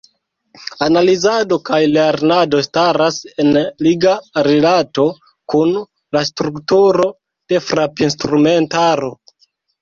Analizado kaj lernado staras en liga rilato kun la strukturo de frapinstrumentaro.